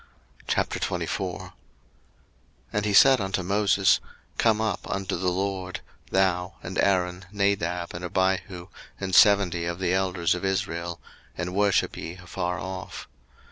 02:024:001 And he said unto Moses, Come up unto the LORD, thou, and Aaron, Nadab, and Abihu, and seventy of the elders of Israel; and worship ye afar off.